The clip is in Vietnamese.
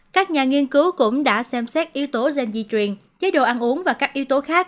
các nhà nghiên cứu cũng đã xem xét yếu tố gen di truyền chế độ ăn uống và các yếu tố khác